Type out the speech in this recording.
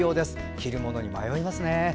着るものに迷いますね。